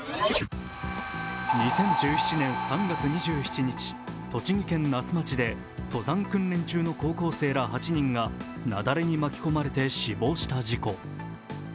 ２０１７年３月２７日、栃木県那須町で、登山訓練中の高校生ら８人が雪崩に巻き込まれて死亡した事故。